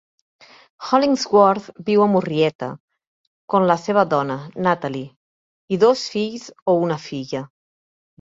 Hollingsworth viu a Murrieta con la seva dona, Natalie, i dos fills o una filla.